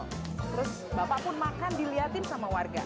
terus bapak pun makan dilihatin sama warga